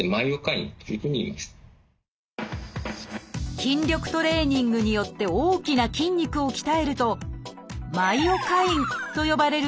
筋力トレーニングによって大きな筋力を鍛えると「マイオカイン」と呼ばれる物質が